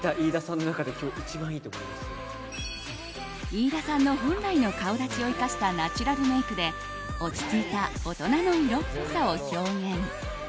飯田さんの本来の顔だちを生かしたナチュラルメイクで落ち着いた大人の色っぽさを表現。